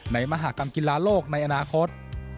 มหากรรมกีฬาโลกในอนาคต